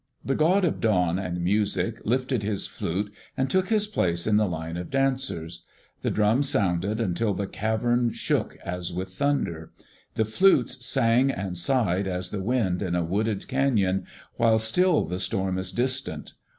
The God of Dawn and Music lifted his flute and took his place in the line of dancers. The drum sounded until the cavern shook as with thunder. The flutes sang and sighed as the wind in a wooded canon while still the storm is distant.